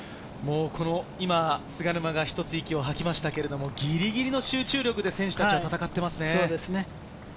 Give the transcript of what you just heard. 今、菅沼がひとつ息を吐きましたけれど、ギリギリの集中力で選手たちは戦っていますね。